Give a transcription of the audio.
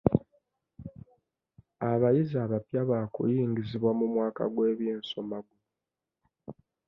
Abayizi abapya baakuyingizibwa mu mwaka gw'ebyensoma guno.